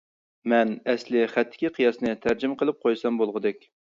مەن ئەسلى خەتتىكى قىياسنى تەرجىمە قىلىپ قويسام بولغۇدەك.